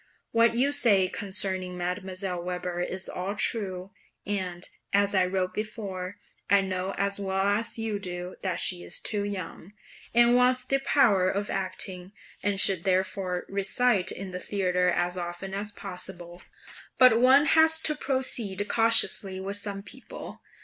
What you say concerning Mdlle. Weber is all true; and, as I wrote before, I know as well as you do that she is too young, and wants the power of acting, and should therefore recite in the theatre as often as possible; but one has to proceed cautiously with some people.